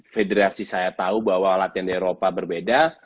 federasi saya tahu bahwa latihan di eropa berbeda